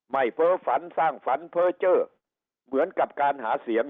เพ้อฝันสร้างฝันเพ้อเจอร์เหมือนกับการหาเสียง